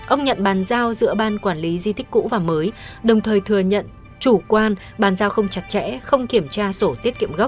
ông nhận bàn giao giữa ban quản lý di tích cũ và mới đồng thời thừa nhận chủ quan bàn giao không chặt chẽ không kiểm tra sổ tiết kiệm gốc